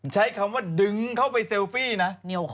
ใช้คำว่าดึงเข้าไปเซลฟี่นะ